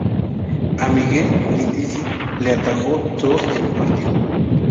A Miguel Brindisi le atajó dos en un partido.